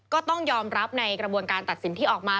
ก็ต้องยอมรับในกระบวนการตัดสินที่ออกมา